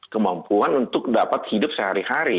kemampuan untuk dapat hidup sehari hari